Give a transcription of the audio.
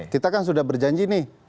kita kan sudah berjanji nih